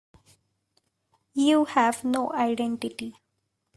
You have no identity.